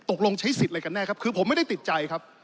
ตกลงใช้สิทธิ์อะไรกันแน่ครับคือผมไม่ได้ติดใจครับ